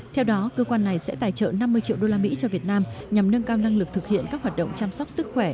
theo đó cơ quan này sẽ tài trợ năm mươi triệu đô la mỹ cho việt nam nhằm nâng cao năng lực thực hiện các hoạt động chăm sóc sức khỏe